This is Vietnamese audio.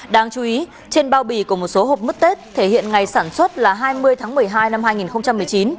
đáng chú ý trên bao bì của một số hộp mứt tết thể hiện ngày sản xuất là hai mươi tháng một mươi hai năm hai nghìn một mươi chín